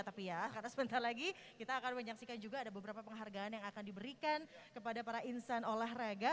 tapi ya karena sebentar lagi kita akan menyaksikan juga ada beberapa penghargaan yang akan diberikan kepada para insan olahraga